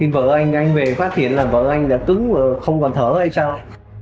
vợ anh về phát hiện là vợ anh đã cứng và không còn thở hay sao